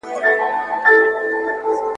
ځوانانو به د هغې لار تعقیبوله.